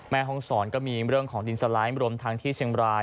แม่ห้องศรก็มีเรื่องของดินสไลด์รวมทั้งที่เชียงบราย